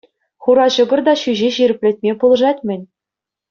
Хура ҫӑкӑр та ҫӳҫе ҫирӗплетме пулӑшать-мӗн.